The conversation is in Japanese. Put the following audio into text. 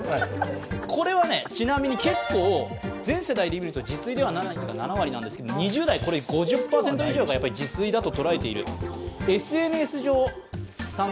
これは、ちなみに結構全世代で見ると自炊ではないが７割なんですけど、２０代以上は５０％が自炊だと。